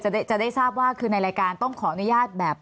จะได้จะได้ทราบว่าคือในรายการต้องขออนุญาตแบบ